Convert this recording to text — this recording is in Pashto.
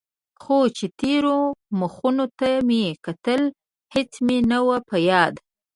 خو چې تېرو مخونو ته مې کتل هېڅ مې نه و په ياد.